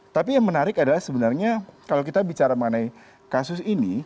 tapi yang menarik adalah sebenarnya kalau kita bicara mengenai kasus ini